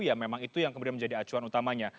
ya memang itu yang kemudian menjadi acuan utamanya